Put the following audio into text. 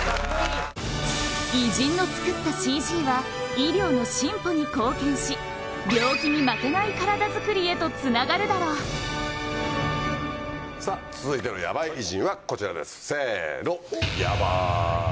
偉人の作ったＣＧは病気に負けない体づくりへとつながるだろう続いてのヤバイ偉人はこちらですせの！